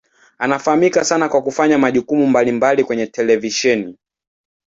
Anafahamika sana kwa kufanya majukumu mbalimbali kwenye televisheni.